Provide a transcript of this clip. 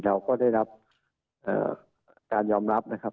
เราก็ได้รับการยอมรับนะครับ